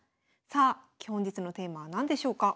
さあ本日のテーマは何でしょうか。